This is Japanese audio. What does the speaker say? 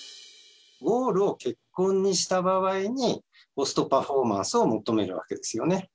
ゴールを結婚にした場合に、コストパフォーマンスを求めるわけですよね。